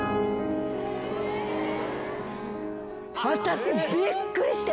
私びっくりして。